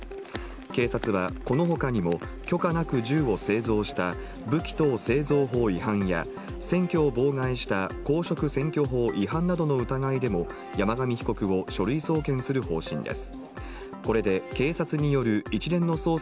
警察はこのほかにも、許可なく銃を製造した武器等製造法違反や選挙を妨害した公職選挙法違反などの疑いでも、山上被告を書類送検する方針です。